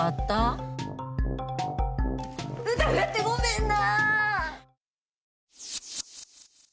疑ってごめんな！